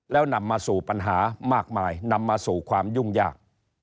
แล้วนำมาสู่ปัญหามากมายนำมาสู่ความยุ่งยาก